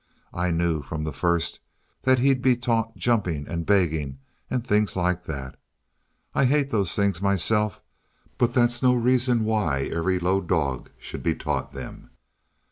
I knew from the first that he'd be taught jumping and begging, and things like that. I hate those things myself, but that's no reason why every low dog should be taught them.